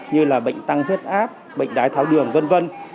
như là bệnh tăng huyết áp bệnh đái tháo nhiễm